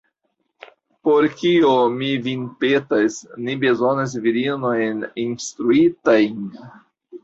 Por kio, mi vin petas, ni bezonas virinojn instruitajn?